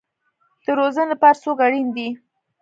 د روزنې لپاره څوک اړین دی؟